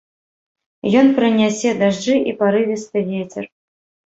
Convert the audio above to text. Ён прынясе дажджы і парывісты вецер.